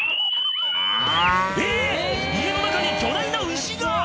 えっ⁉家の中に巨大な牛が！